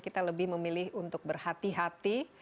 kita lebih memilih untuk berhati hati